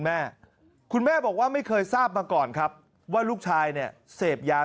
แม่คุณแม่บอกว่าไม่เคยทราบมาก่อนครับว่าลูกชายเนี่ยเสพยา